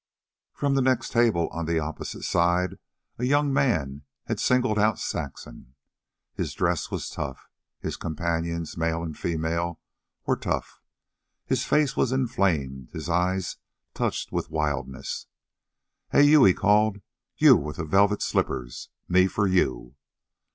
From the next table on the opposite side, a young man had singled out Saxon. His dress was tough. His companions, male and female, were tough. His face was inflamed, his eyes touched with wildness. "Hey, you!" he called. "You with the velvet slippers. Me for you."